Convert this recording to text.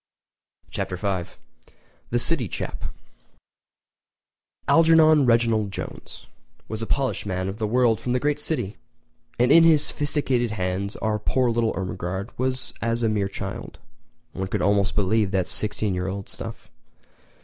Chapter V: The City Chap[edit] Algernon Reginald Jones was a polished man of the world from the great city, and in his sophisticated hands our poor little Ermengarde was as a mere child. One could almost believe that sixteen year old stuff.